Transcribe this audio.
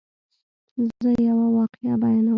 زه یوه واقعه بیانوم.